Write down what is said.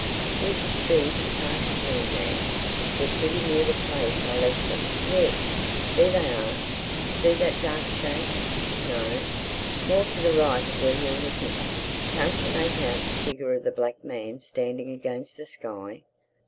We should see his party soon now. We're pretty near the place I left them—Yes, there they are! See that dark shape?—No, more to the right of where you're looking. Can't you make out the figure of the black man standing against the sky?